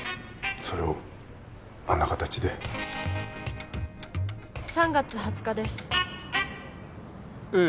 それをあんな形で３月２０日ですええ